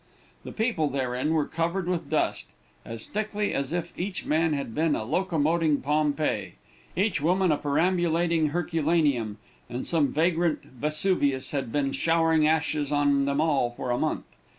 The people therein were covered with dust, as thickly as if each man had been a locomoting Pompeii, each woman a perambulating Herculaneum, and some vagrant Vesuvius had been showering ashes on them all for a month.